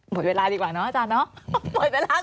หมดเวลาดีกว่าเนาะอาจารย์เนาะ